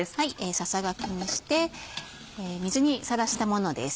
ささがきにして水にさらしたものです。